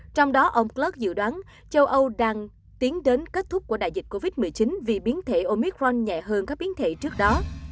trong đó ông clut dự đoán châu âu đang tiến đến kết thúc của đại dịch covid một mươi chín vì biến thể omic ron nhẹ hơn các biến thể trước đó